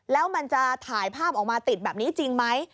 แล้วมันจะถ่ายภาพออกมาติดแบบนี้จริงไหม